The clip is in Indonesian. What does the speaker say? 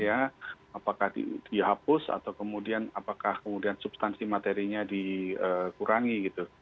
apakah dihapus atau kemudian substansi materinya dikurangi